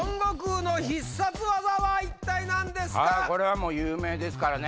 これは有名ですからね。